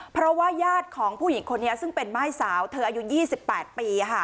เพราะว่าญาติของผู้หญิงคนนี้ซึ่งเป็นม่ายสาวเธออายุ๒๘ปี